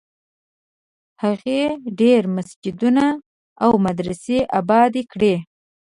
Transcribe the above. هغې ډېر مسجدونه او مدرسې ابادي کړې.